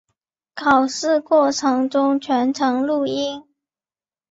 考试过程中全程录音。